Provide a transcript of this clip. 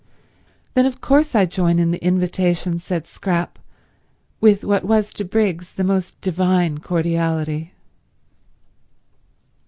"Then of course I join in the invitation," said Scrap, with what was to Briggs the most divine cordiality.